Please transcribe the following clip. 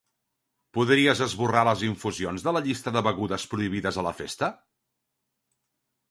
Podries esborrar les infusions de la llista de begudes prohibides a la festa?